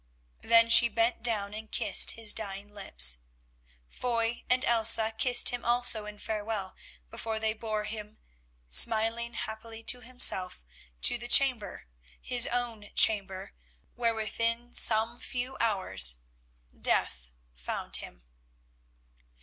Then she bent down and kissed his dying lips. Foy and Elsa kissed him also in farewell before they bore him, smiling happily to himself, to the chamber, his own chamber, where within some few hours death found him.